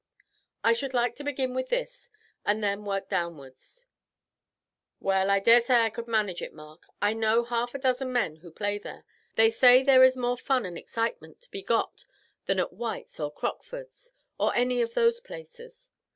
I should like to begin with this, and then work downwards." "Well, I dare say I could manage it, Mark; I know half a dozen men who play there; they say there is more fun and excitement to be got than at White's or Crockford's, or any of those places.